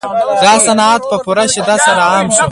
دا صنعت په پوره شدت سره عام شو